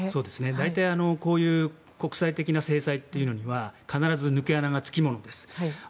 大体、こういう国際的な制裁には必ず抜け穴がつきものです。